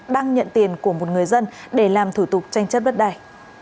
đang nhận tiền của một người dân để làm thủ tục tranh chấp đất đài